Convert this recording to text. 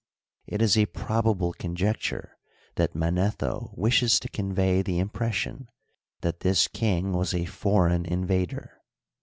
It is a probable conjecture that Manetho wishes to convey the impression that this king was a for eign invader.